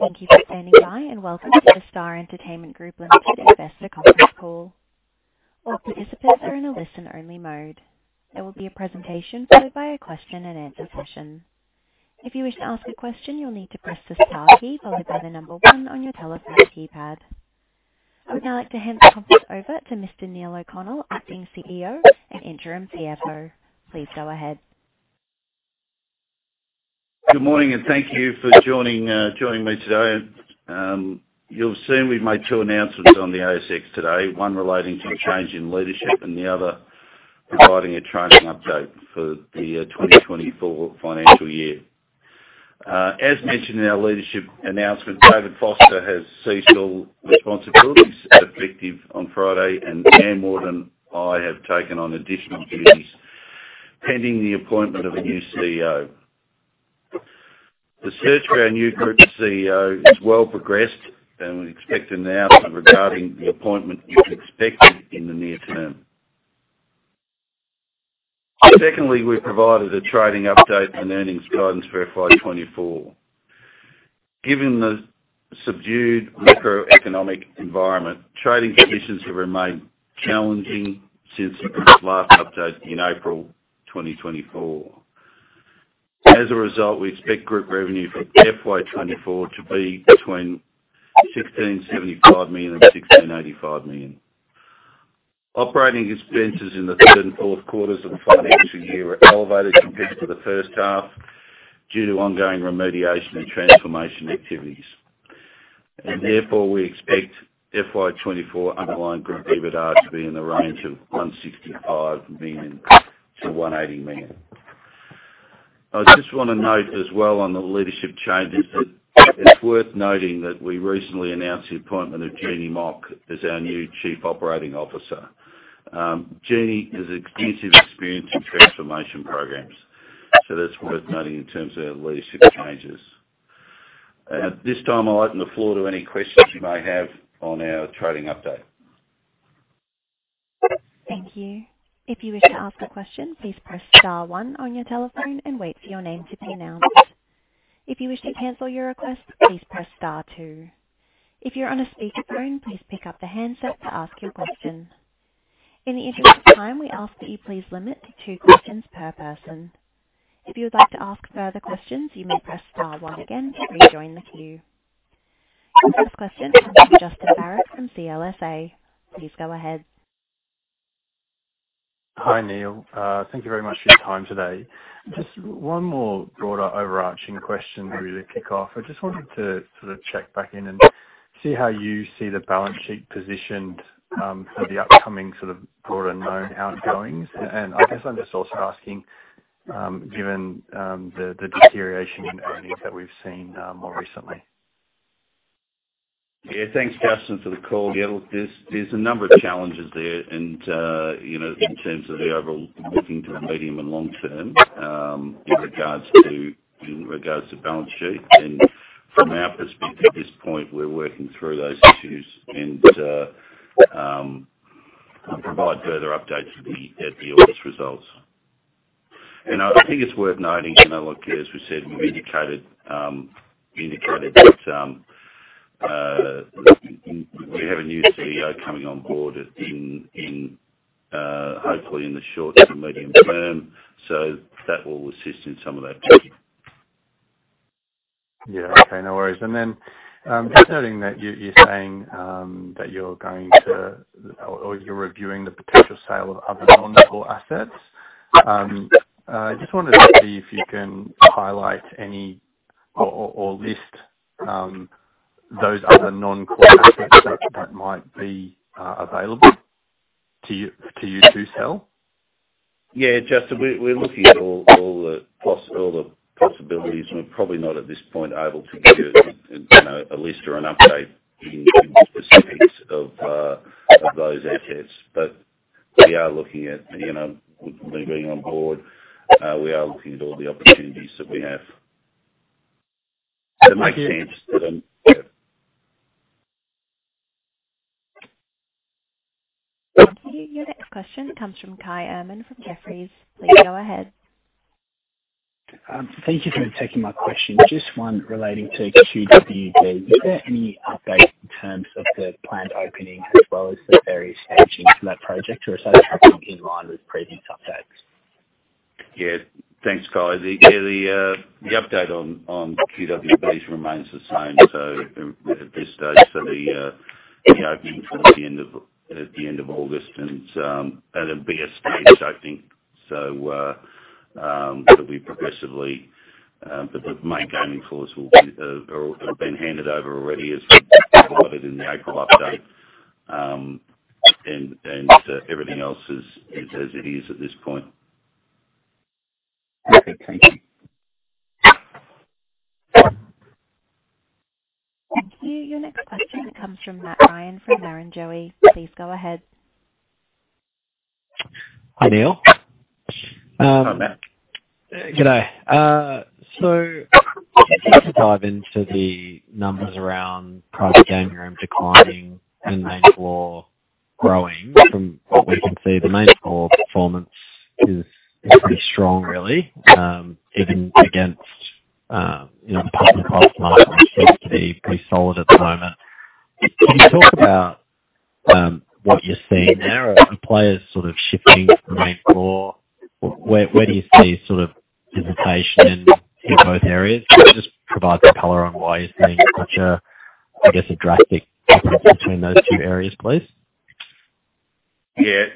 Thank you for standing by, and welcome to the Star Entertainment Group Limited Investor Conference Call. All participants are in a listen-only mode. There will be a presentation followed by a question-and-answer session. If you wish to ask a question, you'll need to press the star key followed by the number one on your telephone keypad. I would now like to hand the conference over to Mr. Neale O’Connell, Acting CEO and Interim CFO. Please go ahead. Good morning, and thank you for joining me today. You'll have seen we've made two announcements on the ASX today. One relating to a change in leadership, and the other providing a trading update for the 2024 Financial Year. As mentioned in our leadership announcement, David Foster has ceased all responsibilities effective on Friday, and Anne Ward and I have taken on additional duties pending the appointment of a new CEO. The search for our new group CEO is well progressed, and we expect an announcement regarding the appointment is expected in the near term. Secondly, we've provided a trading update and earnings guidance for FY 2024. Given the subdued macroeconomic environment, trading conditions have remained challenging since the group's last update in April 2024. As a result, we expect group revenue for FY 2024 to be between 1,675 million and 1,685 million. Operating expenses in the third and fourth quarters of the financial year are elevated compared to the first half due to ongoing remediation and transformation activities. Therefore, we expect FY 2024 underlying group EBITDA to be in the range of 165 million-180 million. I just want to note as well on the leadership changes, that it's worth noting that we recently announced the appointment of Jeannie Mok as our new Chief Operating Officer. Jeannie has extensive experience in transformation programs, so that's worth noting in terms of our leadership changes. At this time, I'll open the floor to any questions you may have on our trading update. Thank you. If you wish to ask a question, please press star one on your telephone and wait for your name to be announced. If you wish to cancel your request, please press star two. If you're on a speakerphone, please pick up the handset to ask your question. In the interest of time, we ask that you please limit to two questions per person. If you would like to ask further questions, you may press star one again to rejoin the queue. The first question comes from Justin Barratt from CLSA. Please go ahead. Hi, Neil. Thank you very much for your time today. Just one more broader, overarching question to really kick off. I just wanted to sort of check back in and see how you see the balance sheet positioned for the upcoming sort of broader known outgoings. And I guess I'm just also asking, given the deterioration in earnings that we've seen more recently. Yeah, thanks, Justin, for the call. Yeah, look, there's a number of challenges there. And, you know, in terms of the overall looking to the medium and long term, in regards to balance sheet, and from our perspective, at this point, we're working through those issues, and, provide further updates at the ASX results. And I think it's worth noting, you know, look, as we said, we've indicated that we have a new CEO coming on board in, hopefully in the short and medium term, so that will assist in some of that too. Yeah. Okay, no worries. And then, just noting that you're saying that you're going to, or you're reviewing the potential sale of other non-core assets. I just wanted to see if you can highlight any or list those other non-core assets that might be available to you to sell? Yeah, Justin, we're looking at all the possibilities. We're probably not at this point able to give you, you know, a list or an update in specifics of those assets. But we are looking at, you know, with me being on board, we are looking at all the opportunities that we have to make changes to them. Thank you. Your next question comes from Kai Ehrmann, from Jefferies. Please go ahead. Thank you for taking my question. Just one relating to QWB. Is there any update in terms of the planned opening as well as the various stages for that project, or is that happening in line with previous updates? Yeah. Thanks, Kai. The update on QWB remains the same, so at this stage, the opening towards the end of August and at an early stage, I think. So, it'll be progressively, but the main gaming floors will have been handed over already, as provided in the April update. And everything else is as it is at this point. Okay, thank you. Thank you. Your next question comes from Matt Ryan, from Morgans. Please go ahead. Hi, Neale. Hi, Matt. G'day. So just to dive into the numbers around private gaming rooms declining and main floor-... growing from what we can see, the main floor performance is pretty strong, really, even against, you know, the coast market seems to be pretty solid at the moment. Can you talk about what you're seeing there? Are the players sort of shifting to the main floor? Where, where do you see sort of visitation in both areas? Can you just provide some color on why you're seeing such a, I guess, a drastic difference between those two areas, please? Yeah.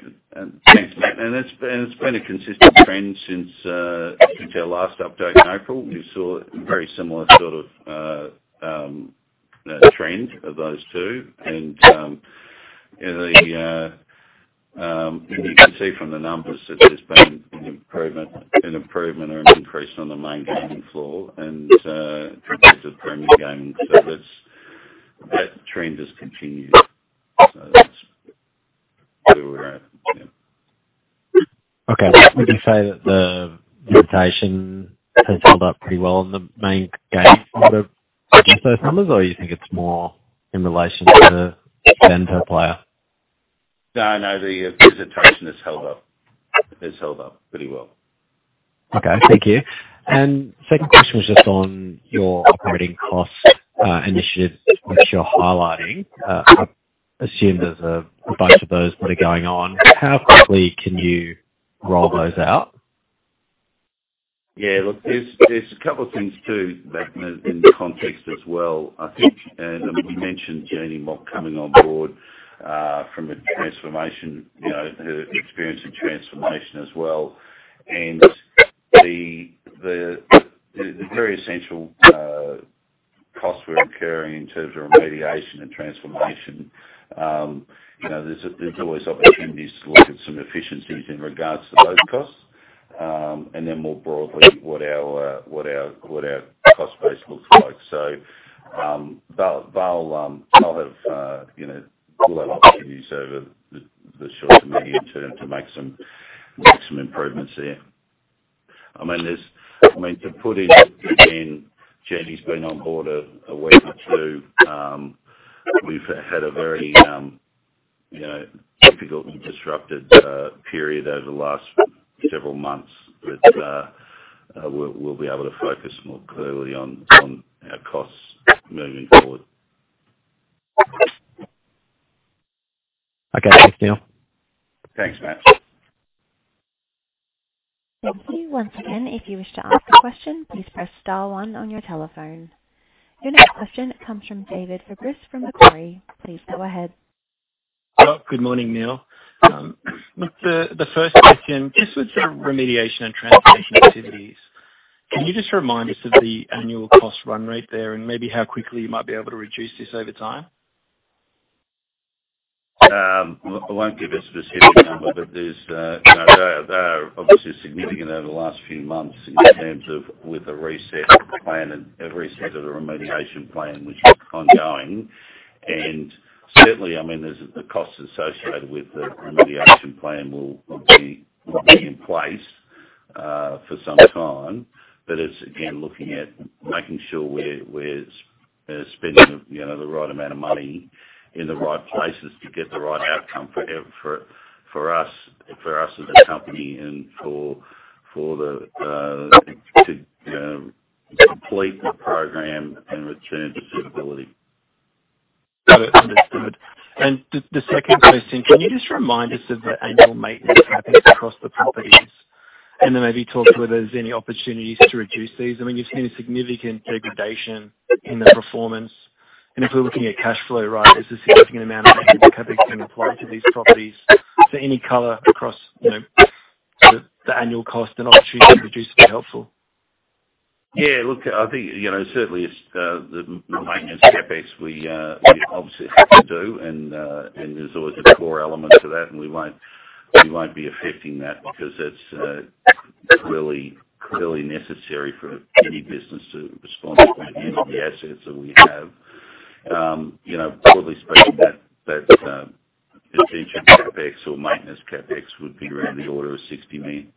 Thanks, Matt, and it's been a consistent trend since our last update in April. We saw a very similar sort of trend of those two, and yeah, you can see from the numbers that there's been an improvement or an increase on the main gaming floor compared to premium gaming. So that's. That trend has continued. So that's where we're at, yeah. Okay. Would you say that the visitation has held up pretty well in the main game for the summers, or you think it's more in relation to the vendor player? No, no, the visitation has held up. It's held up pretty well. Okay, thank you. And second question was just on your operating cost, initiatives, which you're highlighting. I assume there's a bunch of those that are going on. How quickly can you roll those out? Yeah, look, there's a couple of things too, Matt, in the context as well, I think, and we mentioned Jeannie Mok coming on board, from a transformation, you know, her experience in transformation as well. And the very essential costs we're incurring in terms of remediation and transformation, you know, there's always opportunities to look at some efficiencies in regards to those costs, and then more broadly, what our cost base looks like. So, we'll have opportunities over the short to medium term to make some improvements there. I mean, there's. I mean, to put it in, Jeannie's been on board a week or two. We've had a very, you know, difficult and disrupted period over the last several months. But, we'll be able to focus more clearly on our costs moving forward. Okay. Thanks, Neale Thanks, Matt. Thank you. Once again, if you wish to ask a question, please press star one on your telephone. Your next question comes from David Fabris from Macquarie. Please go ahead. Well, good morning, Neale. Look, the first question, just with the remediation and transformation activities, can you just remind us of the annual cost run rate there and maybe how quickly you might be able to reduce this over time? I won't give a specific number, but there's, you know, they are obviously significant over the last few months in terms of with a reset plan and a reset of the remediation plan, which is ongoing. Certainly, I mean, there's the costs associated with the remediation plan will be in place for some time, but it's again, looking at making sure we're spending, you know, the right amount of money in the right places to get the right outcome for us as a company and complete the program and return to stability. Got it. Understood. And the second question, can you just remind us of the annual maintenance happens across the properties? And then maybe talk whether there's any opportunities to reduce these. I mean, you've seen a significant degradation in the performance, and if we're looking at cash flow, right, there's a significant amount of maintenance CapEx being applied to these properties. So any color across, you know, the annual cost and opportunity to reduce would be helpful. Yeah, look, I think, you know, certainly it's the maintenance CapEx, we, we obviously have to do, and, and there's always a core element to that, and we won't, we won't be affecting that because that's clearly, clearly necessary for any business to responsibly manage the assets that we have. You know, broadly speaking, that, that, CapEx or maintenance CapEx would be around the order of 60 million.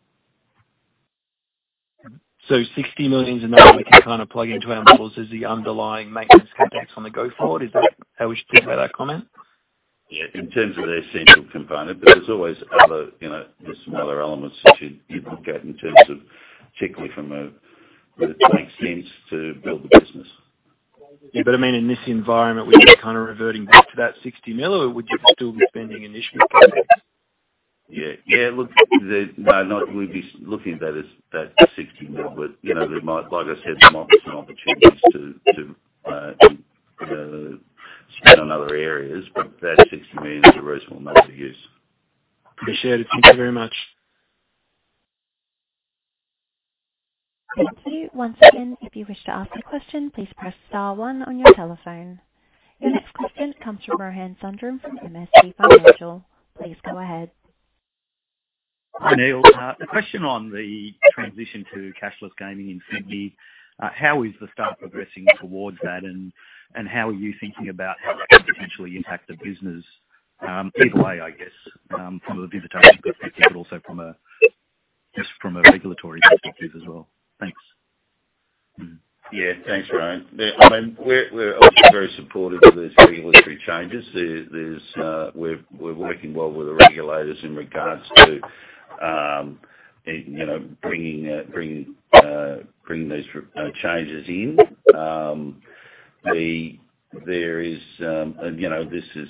So 60 million is a number we can kind of plug into our models as the underlying maintenance CapEx on the go forward? Is that how we should think about that comment? Yeah, in terms of the essential component, there's always other, you know, there's some other elements that you'd look at in terms of particularly from a... Whether it makes sense to build the business. Yeah, but I mean, in this environment, would you be kind of reverting back to that 60 million, or would you still be spending initially? Yeah. Yeah, look, no, not we'd be looking at that as that 60 million, but, you know, there might—like I said, there might be some opportunities to, to, you know, spend on other areas, but that AUD 60 million is a reasonable measure to use. Appreciate it. Thank you very much. Thank you. Once again, if you wish to ask a question, please press Star one on your telephone. The next question comes from Rohan Sundram from MST Financial. Please go ahead. Hi, Neale. The question on the transition to cashless gaming in Sydney, how is the start progressing towards that? And how are you thinking about how that could potentially impact the business, either way, I guess, from a visitation perspective, but also from a just from a regulatory perspective as well. Thanks. Yeah. Thanks, Rohan. I mean, we're obviously very supportive of these regulatory changes. We're working well with the regulators in regards to, you know, bringing these changes in. You know, this is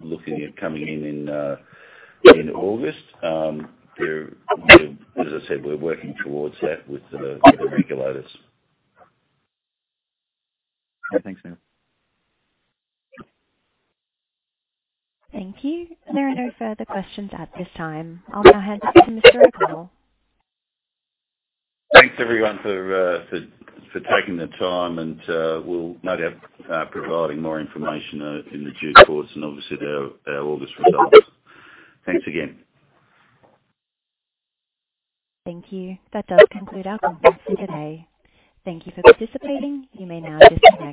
looking at coming in in August. As I said, we're working towards that with the regulators. Thanks, Neale. Thank you. There are no further questions at this time. I'll now hand back to Mr. O’Connell. Thanks, everyone, for taking the time, and we'll no doubt providing more information in due course and obviously our August results. Thanks again. Thank you. That does conclude our conference for today. Thank you for participating. You may now disconnect.